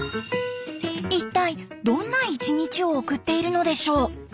一体どんな１日を送っているのでしょう？